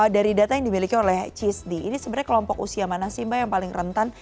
dari data yang dimiliki oleh cisdi ini sebenarnya kelompok usia mana sih mbak yang paling rentan